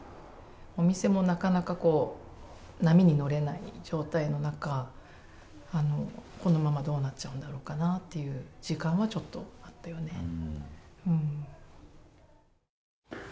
お店もなかなか波に乗れない状態の中、このまま、どうなっちゃうんだろうかなっていう時間はちょっとあったよね。